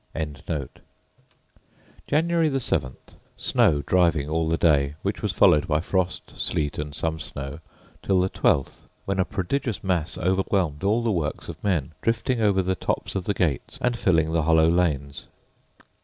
January 7th. — Snow driving all the day, which was followed by frost, sleet, and some snow, till the 12th, when a prodigious mass overwhelmed all the works of men, drifting over the tops of the gates and filling the hollow lanes.